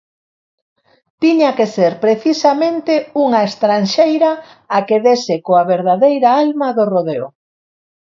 Tiña que ser precisamente unha estranxeira a que dese coa verdadeira alma do rodeo.